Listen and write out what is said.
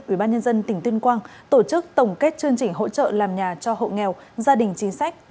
ủy ban nhân dân tỉnh tuyên quang tổ chức tổng kết chương trình hỗ trợ làm nhà cho hậu nghèo gia đình chính sách